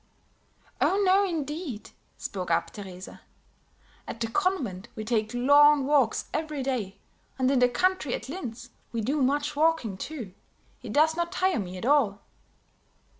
"Oh, no indeed," spoke up Teresa. "At the convent we take long walks every day; and in the country at Linz, we do much walking, too; it does not tire me at all."